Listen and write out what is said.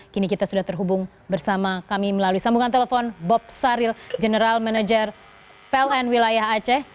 kini kita sudah terhubung bersama kami melalui sambungan telepon bob saril general manager pln wilayah aceh